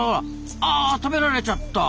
あ食べられちゃった。